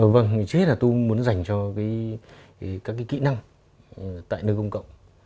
vâng chứ hết là tôi muốn dành cho các kỹ năng tại nơi công cộng